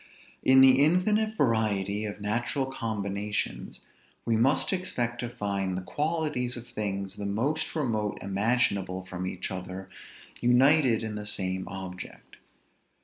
In the infinite variety of natural combinations, we must expect to find the qualities of things the most remote imaginable from each other united in the same object.